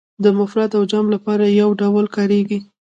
د مفرد او جمع لپاره یو ډول کاریږي.